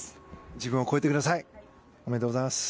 自分を超えてください。おめでとうございます。